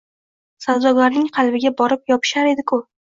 savdogarning qalbiga borib yopishar edi-ki